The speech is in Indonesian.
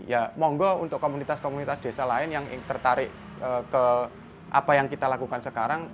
ya monggo untuk komunitas komunitas desa lain yang tertarik ke apa yang kita lakukan sekarang